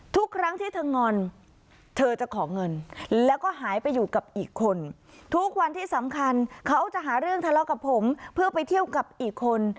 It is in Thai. ทุกครั้งที่เธองอนเธอจะขอเงินแล้วก็หายไปอยู่กับอีกคนทุกวันที่สำคัญเขาจะหาเรื่องทะเลาะกับผมเพื่อไปเที่ยวกับอีกคน